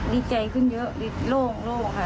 ดีใจขึ้นเยอะโล่งโล่งค่ะ